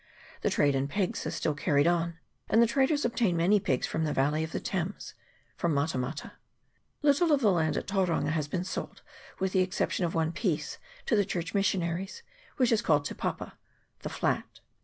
The trade in pigs is still carried on ; and the traders obtain many pigs from the valley of the Thames, from Mata mata. Little of the land at Tauranga has been sold, with the exception of one piece to the Church mis sionaries, which is called Te Papa (the flat).